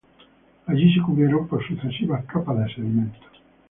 Allí se cubrieron por sucesivas capas de sedimentos.